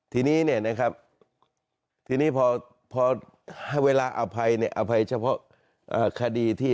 ทีนี้เนี่ยนะครับทีนี้พอเวลาอภัยเนี่ยอภัยเฉพาะคดีที่